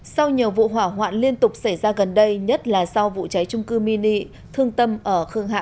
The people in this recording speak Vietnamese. sau nhiều vụ hỏa hoạn liên tục xảy ra gần đây nhất là sau vụ cháy trung cư mini thương tâm ở khương hạ